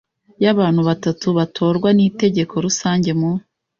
y abantu batatu batorwa n inteko rusange mu